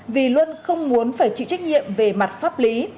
vì luôn không muốn phải chịu trách nhiệm về mặt pháp lý